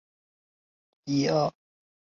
这样使得受血者得以抵抗过敏反应。